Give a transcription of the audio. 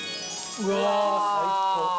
うわ最高！